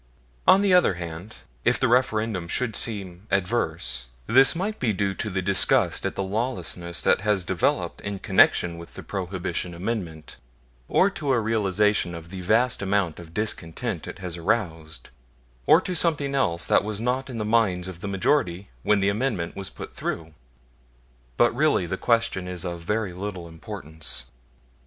On the other hand, if the referendum should seem adverse, this might be due to disgust at the lawlessness that has developed in connection with the Prohibition Amendment, or to a realization of the vast amount of discontent it has aroused, or to something else that was not in the minds of the majority when the Amendment was put through. But really the question is of very little importance.